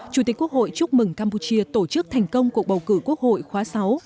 chủ tịch quốc hội chúc mừng campuchia tổ chức thành công cuộc bầu cử quốc hội khóa sáu